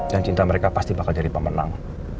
dan cinta mereka pasti bakal jadi pemenang